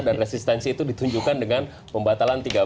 dan resistensi itu ditunjukkan dengan pembatalan tiga belas izin reklaman